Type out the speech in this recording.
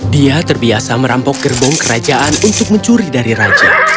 dia terbiasa merampok gerbong kerajaan untuk mencuri dari raja